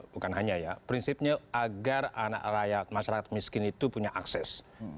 bukan hanya ya prinsipnya agar anak rakyat masyarakat miskin itu punya akses